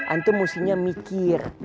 antum harusnya mikir